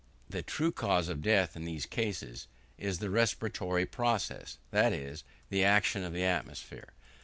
The true cause of death in these cases is the respiratory process, that is, the action of the atmosphere.